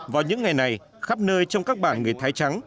vào những ngày này khắp nơi trong các bản người thái trắng